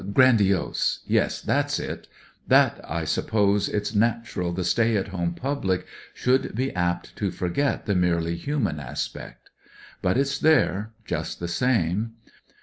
Grandiose.' Yes, that's it— that I suppose it's natural the stay at home public should be apt to forget the merely human aspect. But it's there just the same.